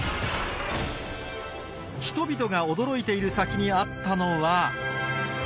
人々が驚いている先にあったのは？